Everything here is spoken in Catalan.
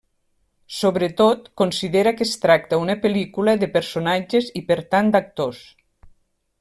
Sobretot, considera que es tracta una pel·lícula de personatges i, per tant, d'actors.